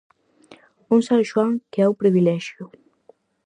Un San Xoán que é un privilexio.